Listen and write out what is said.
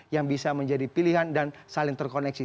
yang bisa menjadi pilihan dan saling terkoneksi